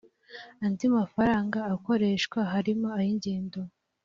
andi mafaranga akoreshwa harimo ay ingendo